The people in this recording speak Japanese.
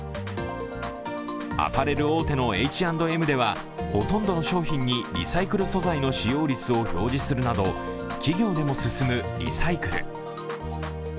アパレル大手のＨ＆Ｍではほとんどの商品にリサイクル素材の使用率を表示するなど企業でも進むリサイクル。